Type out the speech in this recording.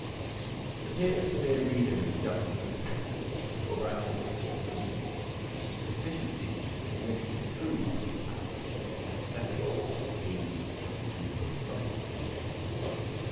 But here the severe reader may justly tax me as a writer of short memory, a deficiency to which a true modern cannot but of necessity be a little subject.